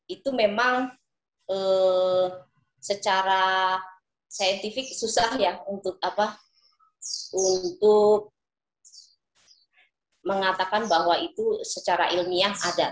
itu memang secara saintifik susah ya untuk mengatakan bahwa itu secara ilmiah ada